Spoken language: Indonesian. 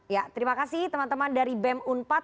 ya terima kasih teman teman dari bem unpad